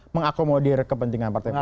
mengakomodir kepentingan partai politik